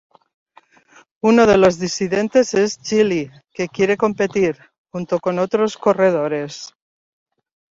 Uno de los disidentes es Chili, que quiere competir, junto con otros corredores.